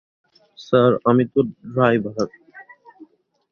Sir, আমি তো driver.